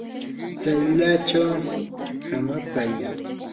tsayllachaw hamapay.